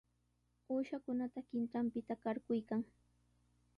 Uushakunata qintranpita qarquykan.